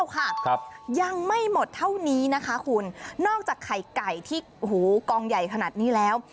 ยังไม่หมดเท่านี้นะคะคุณนอกจากไข่ไก่ที่กองใหญ่ขนาดนี้แล้ว